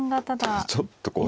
ただちょっと。